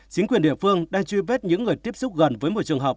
chính quyền địa phương đang truy vết những người tiếp xúc gần với một trường hợp